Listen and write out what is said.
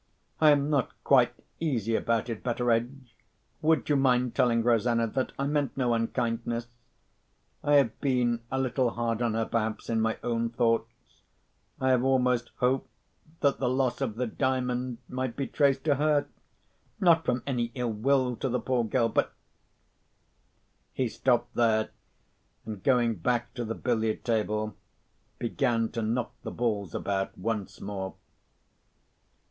I am not quite easy about it, Betteredge. Would you mind telling Rosanna that I meant no unkindness? I have been a little hard on her, perhaps, in my own thoughts—I have almost hoped that the loss of the Diamond might be traced to her. Not from any ill will to the poor girl: but——" He stopped there, and going back to the billiard table, began to knock the balls about once more.